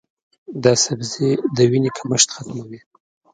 دا سبزی د وینې کمښت ختموي.